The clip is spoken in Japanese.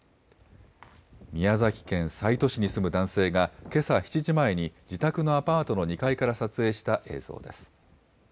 宮崎県西都市に住む男性が、けさ７時前に自宅のアパートの２階から撮影した映像です。